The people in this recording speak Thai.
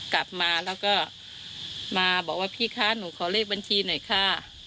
กลับมาแล้วก็มาบอกว่าพี่คะหนูขอเลขบัญชีหน่อยค่ะ